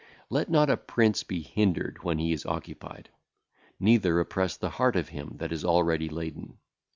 Let not a prince be hindered when he is occupied; neither oppress the heart of him that is already laden.